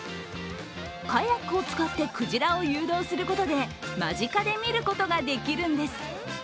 カヤックを使ってクジラを誘導することで間近で見ることができるんです。